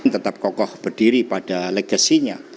tetap kokoh berdiri pada legasinya